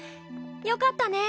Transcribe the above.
よかったね。